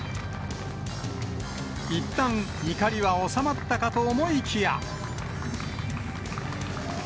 いったん、怒りは収まったかと思いきや。